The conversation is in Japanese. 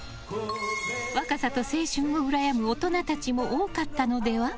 若さと青春をうらやむ大人たちも多かったのでは？